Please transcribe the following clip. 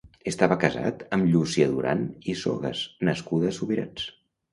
Estava casat amb Llúcia Duran i Sogas, nascuda a Subirats.